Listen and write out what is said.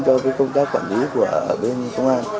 cho công tác quản lý của bên công an